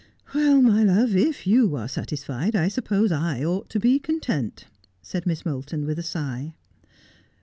' Well, my love, if you are satisfied I suppose I ought to be content,' said Miss Moulton with a sigh.